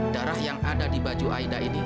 darah yang ada di baju aida ini